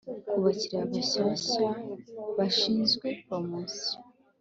Ku bakiriya bashyashya bashyizwe polomosiyo.